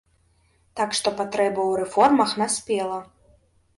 Так што патрэба ў рэформах наспела.